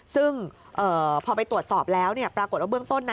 ซึ่งพอไปตรวจสอบแล้วปรากฏว่าเบื้องต้นนะ